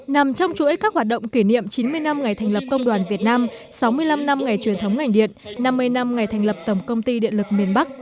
nằm trong chuỗi các hoạt động kỷ niệm chín mươi năm ngày thành lập công đoàn việt nam sáu mươi năm năm ngày truyền thống ngành điện năm mươi năm ngày thành lập tổng công ty điện lực miền bắc